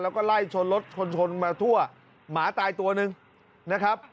แล้วก็ไล่ชนรถชนชนมาทั่วหมาตายตัวหนึ่งนะครับ